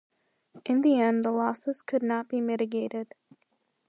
In the end, the losses could not be mitigated.